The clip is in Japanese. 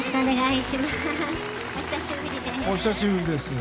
お久しぶりです。